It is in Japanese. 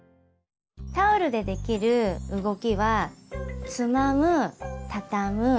タオルでできる動きは「つまむ」「たたむ」